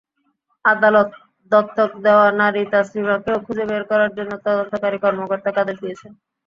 আদালত দত্তক দেওয়া নারী তাসলিমাকেও খুঁজে বের করার জন্য তদন্তকারী কর্মকর্তাকে আদেশ দিয়েছেন।